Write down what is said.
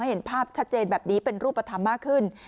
เห็นภาพชัดเจนแบบนี้เป็นรูปธรรมมากขึ้น